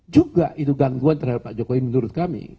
juga itu gangguan terhadap pak jokowi menurut kami